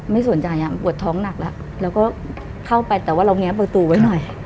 ไม่สนใจเลยปวดท้องหนักเลยเราก็เพิ่งเข้าไป